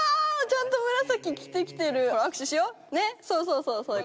そうそうそう。